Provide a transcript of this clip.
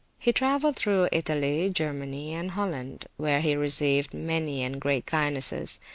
He travelled through Italy, Germany, and Holland, where he received many and great kindnesses.